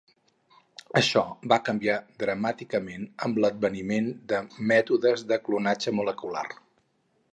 Això va canviar dramàticament amb l'adveniment de mètodes de clonatge molecular.